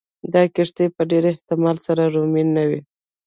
دا کښتۍ په ډېر احتمال سره رومي نه وې